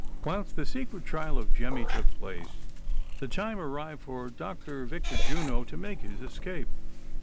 Whilst the secret trial of Jemmy took place, the time arrived for Dr. Victor Juno to make his escape.